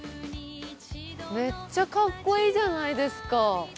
めっちゃかっこいいじゃないですか。